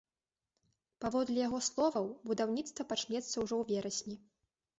Паводле яго словаў, будаўніцтва пачнецца ўжо ў верасні.